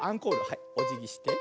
はいおじぎして。